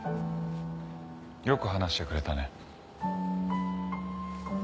よく話してくれたね。